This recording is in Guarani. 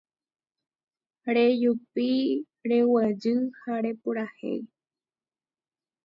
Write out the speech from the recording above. Rejupi, reguejy ha repurahéi